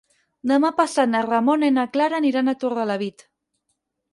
Demà passat na Ramona i na Clara aniran a Torrelavit.